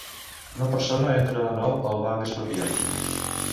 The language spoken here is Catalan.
Una persona entra de nou al Banc Expropiat.